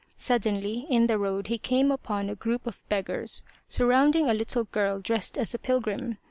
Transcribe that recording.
Suddenly in the road he came upon a group of beggars surrounding a little girl dressed as a pilgrim.